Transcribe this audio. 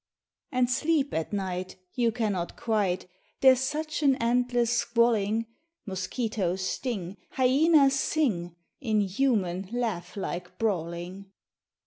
And sleep at night you cannot quite, There's such an endless squalling; Mosquitos sting, hyenas sing In human laugh like brawling.